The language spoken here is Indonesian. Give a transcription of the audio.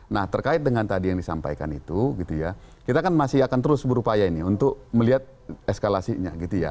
nah terkait dengan tadi yang disampaikan itu gitu ya kita kan masih akan terus berupaya ini untuk melihat eskalasinya gitu ya